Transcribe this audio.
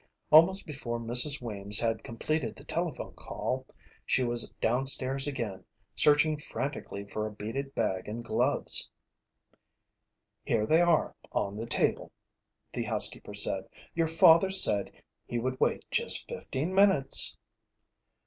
Almost before Mrs. Weems had completed the telephone call, she was downstairs again searching frantically for a beaded bag and gloves. "Here they are, on the table," the housekeeper said. "Your father said he would wait just fifteen minutes."